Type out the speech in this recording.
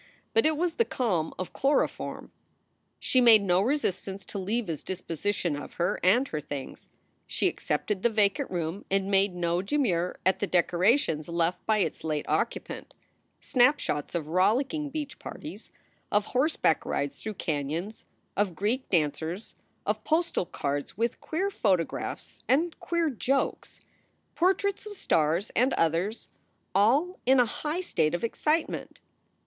But it was the calm of chloroform. She made no resistance to Leva s disposition of her and her things. She accepted the vacant room and made no demur at the decorations left by its late occupant snap shots of rollicking beach parties, of horseback rides through canons, of Greek dancers, of postal cards with queer photo graphs and queer jokes, portraits of stars and others, all in a high state of excitement.